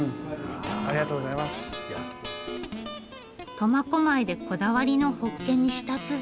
苫小牧でこだわりのホッケに舌鼓。